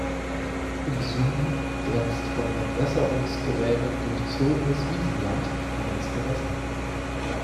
Im Süden grenzt von Entwässerungsgräben durchzogenes Wiesenland an das Gewässer.